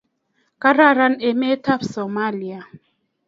kararan emet ab Somalia